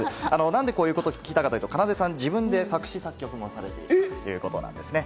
なんでこういうこと聞いたかというと、奏手さん、自分で作詞作曲もされているということなんですね。